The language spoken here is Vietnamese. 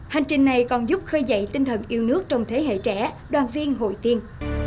hành trình này còn giúp khơi dậy tinh thần yêu nước trong thế hệ trẻ đoàn viên hội viên